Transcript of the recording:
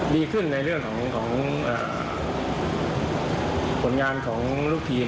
ดีขึ้นในเรื่องของผลงานของลูกทีม